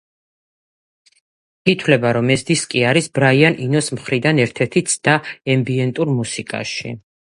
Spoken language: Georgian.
ითვლება, რომ ეს დისკი არის ბრაიან ინოს მხრიდან ერთ-ერთი ცდა ემბიენტურ მუსიკაში.